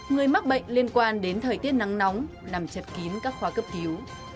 người mắc bệnh liên quan đến thời tiết nắng nóng nằm chật kín các khoa cấp cứu